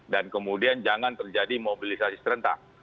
dan kemudian jangan terjadi mobilisasi serentak